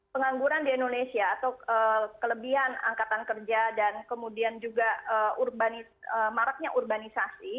pengangguran di indonesia atau kelebihan angkatan kerja dan kemudian juga maraknya urbanisasi